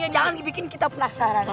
jangan bikin kita penasaran